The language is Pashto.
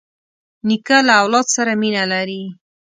نیکه له اولاد سره مینه لري.